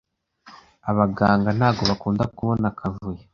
Abaganga ntago bakunda kubona akavuyo